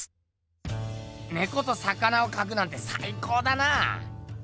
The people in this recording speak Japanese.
猫と魚をかくなんてさい高だな。